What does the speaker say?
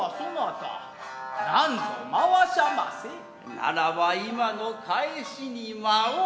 ならば今の返しに舞おう。